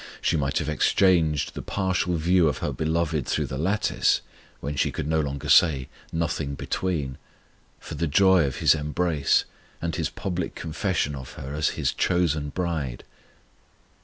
She might have exchanged the partial view of her Beloved through the lattice, when she could no longer say "Nothing between," for the joy of His embrace, and His public confession of her as His chosen bride!